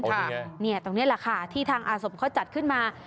ตรงนี้แหละค่ะที่ทางอาสมเขาจัดขึ้นมา